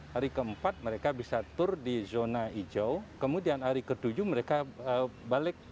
hari keempat mereka bisa tur di zona hijau kemudian hari ke tujuh mereka balik